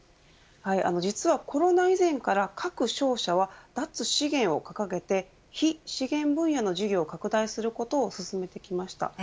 実はコロナ以前から各商社は脱資源を掲げて非資源分野での事業を拡大することを進めてきました。